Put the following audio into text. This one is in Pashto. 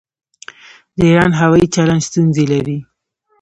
د ایران هوايي چلند ستونزې لري.